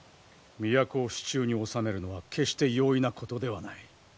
都を手中に収めるのは決して容易なことではない。